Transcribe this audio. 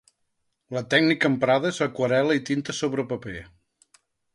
La tècnica emprada és aquarel·la i tinta sobre paper.